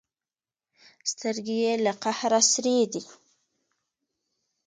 سترګې یې له قهره سرې دي.